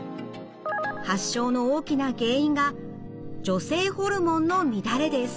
発症の大きな原因が女性ホルモンの乱れです。